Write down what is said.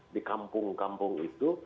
di kampung kampung itu